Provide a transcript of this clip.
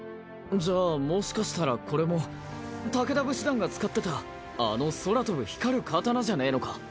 じゃあもしかしたらこれも武田武士団が使ってたあの空飛ぶ光る刀じゃねえのか？